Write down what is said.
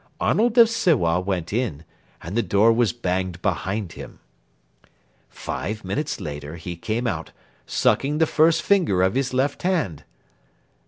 Arnold of Sewa went in, and the door was banged behind him. Five minutes later he came out, sucking the first finger of his left hand.